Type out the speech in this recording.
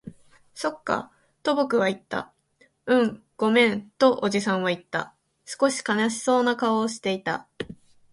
そっか、と僕は言った。うん、ごめん、とおじさんは言った。少し悲しそうな顔をしていた。